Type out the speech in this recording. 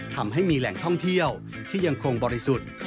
ทำให้มีแหล่งท่องเที่ยวที่ยังคงบริสุทธิ์